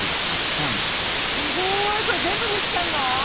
すごいこれ全部未来ちゃんが？